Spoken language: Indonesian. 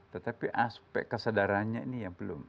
tetapi aspek kesadarannya ini yang belum